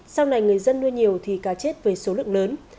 sau này người dân nuôi nhiều thì cá chết với số lượng lớn